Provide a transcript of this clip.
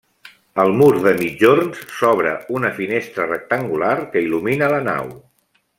Al mur de migjorn s'obra una finestra rectangular que il·lumina la nau.